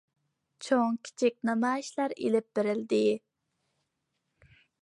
چوڭ -كىچىك نامايىشلار ئېلىپ بېرىلدى.